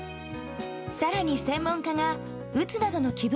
更に、専門家がうつなどの気分